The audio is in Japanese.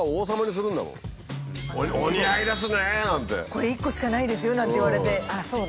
「これ一個しかないですよ」なんて言われて「あらそう？」